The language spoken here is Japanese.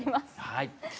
はい。